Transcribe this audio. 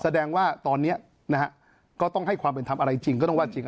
แสดงว่าตอนนี้นะฮะก็ต้องให้ความเป็นทำอะไรจริงก็ต้องว่าจริง